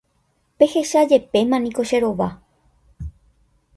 Pehechajepéma niko che rova.